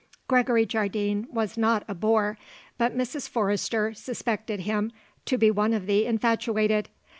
Gregory Jardine was not a bore, but Mrs. Forrester suspected him to be one of the infatuated.